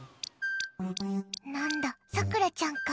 何だ、さくらちゃんか。